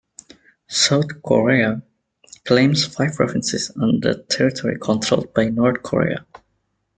South Korea claims five provinces on the territory controlled by North Korea.